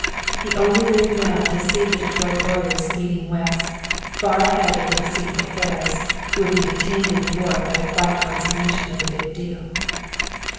He only lived now to see the Detroit lawyer speeding west, far on ahead of the deceitful Ferris, who would be detained in New York by the quiet consummation of the big deal.